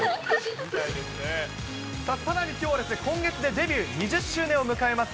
さらにきょうは、今月でデビュー２０周年を迎えます